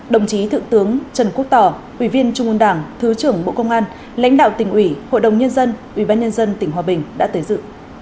đồng chí thượng tướng trần quốc tò ủy viên trung ương đảng thứ trưởng bộ công an lãnh đạo tỉnh ủy hội đồng nhân dân ủy ban nhân dân tỉnh hòa bình đã tới dự